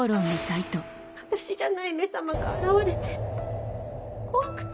私じゃない「め様」が現れて怖くて。